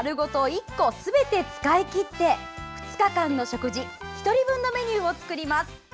１個全て使い切って２日間の食事１人分のメニューを作ります。